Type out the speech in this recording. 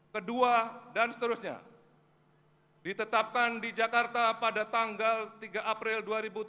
kedua dan seterusnya ditetapkan di jakarta pada tanggal tiga april dua ribu tujuh belas